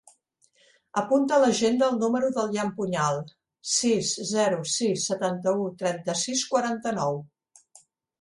Apunta a l'agenda el número del Jan Puñal: sis, zero, sis, setanta-u, trenta-sis, quaranta-nou.